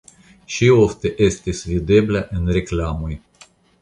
Ŝi ofte estis videbla en reklamoj.